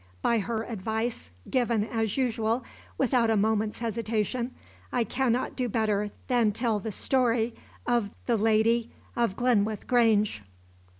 By her advice given, as usual, without a moment's hesitation I cannot do better than tell the story of THE LADY OF GLENWITH GRANGE.